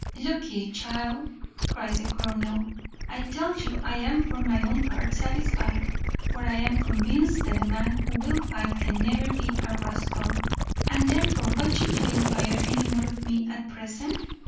"Look'ee, child," cries the colonel; "I tell you I am for my own part satisfied; for I am convinced that a man who will fight can never be a rascal; and, therefore, why should you enquire any more of me at present?